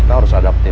itu aja sekali pak ya